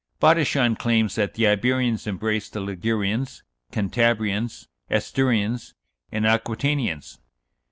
Bodichon claims that the Iberians embraced the Ligurians, Cantabrians, Asturians, and Aquitanians.